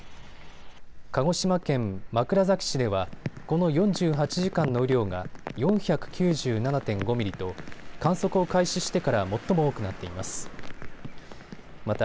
鹿児島県枕崎市ではこの４８時間の雨量が４９７．５ミリと観測を開始してから最も多くなっています。